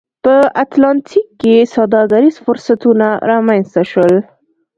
په اتلانتیک کې سوداګریز فرصتونه رامنځته شول.